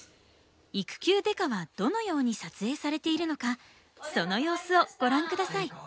「育休刑事」はどのように撮影されているのかその様子をご覧下さい。